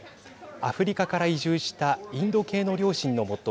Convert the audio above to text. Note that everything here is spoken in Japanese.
アフリカから移住したインド系の両親のもと